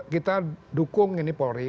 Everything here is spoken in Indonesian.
kita dukung polri